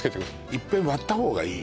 いっぺん割った方がいい？